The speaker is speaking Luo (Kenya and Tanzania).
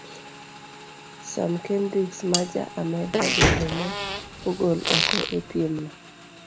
Sam Kendrieks ma Ja-Amerka bende ne ogol oko e piemno.